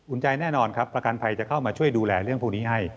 ใจแน่นอนครับประกันภัยจะเข้ามาช่วยดูแลเรื่องพวกนี้ให้